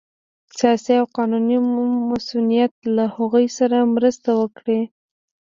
سیاسي او قانوني مصونیت له هغوی سره مرسته وکړه